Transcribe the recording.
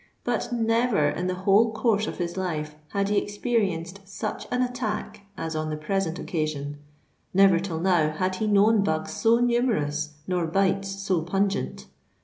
But never, in the whole course of his life, had he experienced such an attack as on the present occasion: never till now had he known bugs so numerous, nor bites so pungent.